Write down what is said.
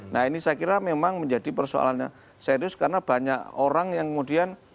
nah ini saya kira memang menjadi persoalannya serius karena banyak orang yang kemudian susah mendapatkan masker